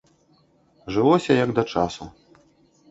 Жылося як да часу.